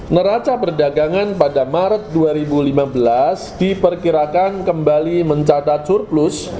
neraca perdagangan pada maret dua ribu lima belas diperkirakan kembali mencatat surplus